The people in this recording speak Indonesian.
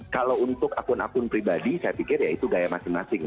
kalau untuk akun akun pribadi saya pikir ya itu gaya masing masing